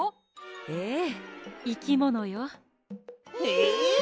ええいきものよ。え！？